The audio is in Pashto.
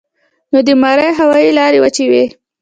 نو د مرۍ هوائي لارې وچې وي